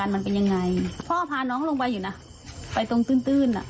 มันเป็นยังไงพ่อพาน้องลงไปอยู่นะไปตรงตื้นตื้นอ่ะ